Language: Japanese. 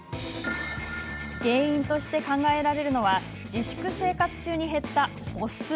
原因と考えられるのは自粛生活中に減った歩数。